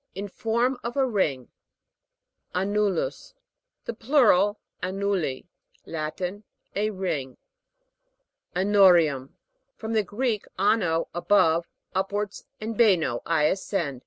In form of a ring. AN'NUL, US. In the plural, anruli. Latin. A ring. ANO'BIUM. From the Greek and, above, upwards, and baino, I ascend.